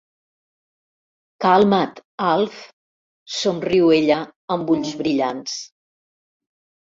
Calma't Alf —somriu ella amb ulls brillants—.